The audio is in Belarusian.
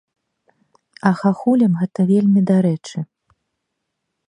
А хахулям гэта вельмі дарэчы.